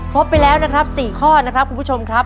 พบไปแล้วนะครับ๔ข้อนะครับคุณผู้ชมครับ